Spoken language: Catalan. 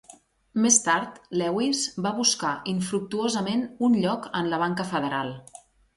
Més tard, Lewis va buscar infructuosament un lloc en la banca federal.